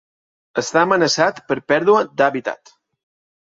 Està amenaçat per pèrdua d'hàbitat.